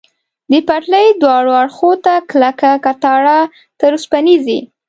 د پټلۍ دواړو اړخو ته کلکه کټاره، تر اوسپنیزې.